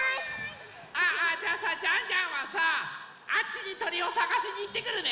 あじゃあさジャンジャンはさあっちにとりをさがしにいってくるね。